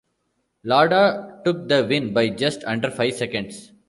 Lauda took the win by just under five seconds.